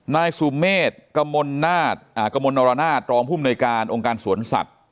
นายสุเมฆกมลนาศกมลนรนาศรองภูมิหน่วยการองค์การสวนสัตว์